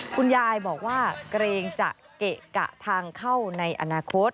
คุณยายบอกว่าเกรงจะเกะกะทางเข้าในอนาคต